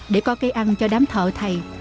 để có cây ăn cho đám thợ thầy